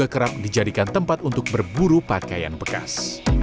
kerap dijadikan tempat untuk berburu pakaian bekas